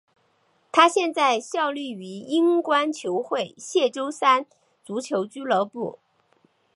他现在效力于英冠球会谢周三足球俱乐部。